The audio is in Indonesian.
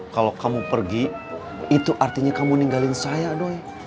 kalau kamu pergi itu artinya kamu ninggalin saya doy